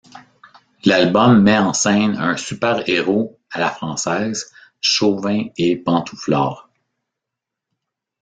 L’album met en scène un super-héros à la française, chauvin et pantouflard.